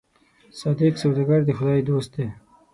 صادق سوداګر د خدای دوست دی.